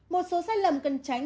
một số sai lầm cần tránh